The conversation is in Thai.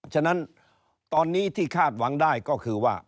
ฉะนั้นตอนนี้ที่คาดหวังได้ก็คือว่า